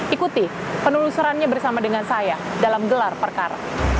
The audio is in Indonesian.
ikuti penelusurannya bersama dengan saya dalam gelar perkara